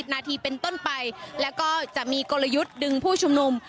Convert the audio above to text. นาทีเป็นต้นไปแล้วก็จะมีกลยุทธ์ดึงผู้ชุมนุม